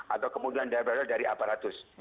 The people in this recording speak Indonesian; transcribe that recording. atau kemudian dia berasal dari aparatus